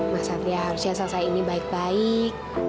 mas satria harusnya selesai ini baik baik